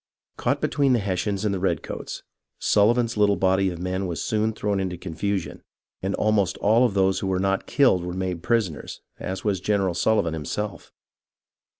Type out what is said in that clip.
Caught between the Hessians and the redcoats, Sulli van's little body of men was soon thrown into confusion, and almost all of those who were not killed were made prisoners, as was General Sullivan himself.